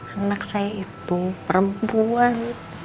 anak saya itu perempuan